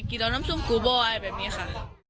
คิดเราน้ำซุ่มหิวบอยแบบนี้ค่ะ